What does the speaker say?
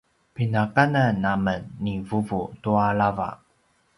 pinakanan amen ni vuvu tua lava